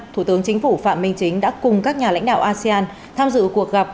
thủ tướng chính phủ phạm minh chính đã cùng các nhà lãnh đạo asean tham dự cuộc gặp